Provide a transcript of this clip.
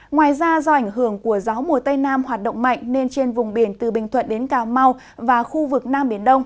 ngoài ra do ảnh hưởng của gió mùa tây nam hoạt động mạnh nên trên vùng biển từ bình thuận đến cà mau và khu vực nam biển đông